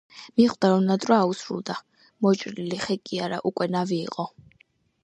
მიხვდა, რომ ნატვრა აუსრულდა! მოჭრილი ხე კი არა, უკვე ნავი იყო!